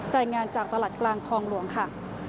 รายงานจากตลาดกลางคลองหลวงค่ะ